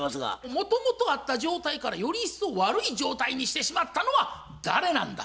もともとあった状態からよりいっそう悪い状態にしてしまったのは誰なんだ？